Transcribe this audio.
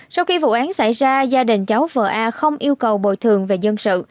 sau khi vụ án xảy ra gia đình cháu phờ a không yêu cầu bồi thường về dân sự